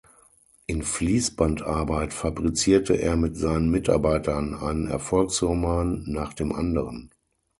In Fließbandarbeit fabrizierte er mit seinen Mitarbeitern einen Erfolgsroman nach dem anderen.